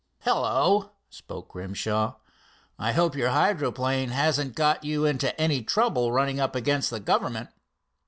"Hello!" spoke Grimshaw, "I hope your hydroplane hasn't got you into any trouble running up against the government."